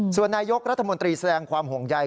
ส่วนนายกรัฐมนตรีแสดงความห่วงใย